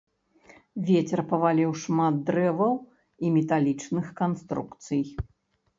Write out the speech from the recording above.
Вецер паваліў шмат дрэваў і металічных канструкцый.